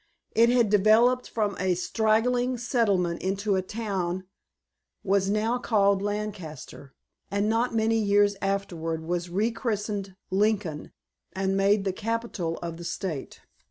It had developed from a straggling settlement into a town, was now called Lancaster, and not many years afterward was rechristened Lincoln, and made the capital of the State.